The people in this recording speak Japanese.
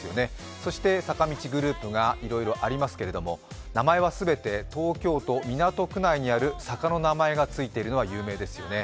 そして坂道グループがいろいろありますけれども名前は全て東京都港区内にある坂の名前が付いているのは有名ですよね。